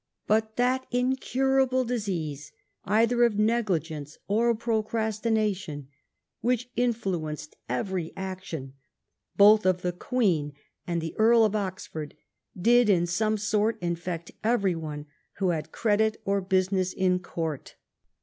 "But, that incurable disease, either of negligence or procrastination, which influ enced every action both of the Queen and the Earl of Oxford, did in some sort infect everyone who had credit 372 JONATHAN SWIFT'S VIEWS or business in Court.